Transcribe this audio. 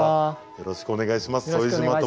よろしくお願いします。